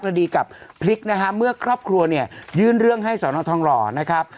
คดีกับพริกนะฮะเมื่อครอบครัวเนี่ยยื่นเรื่องให้สอนอทองหล่อนะครับ